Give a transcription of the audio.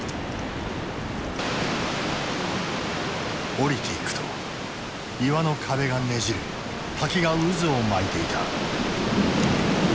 降りていくと岩の壁がねじれ滝が渦を巻いていた。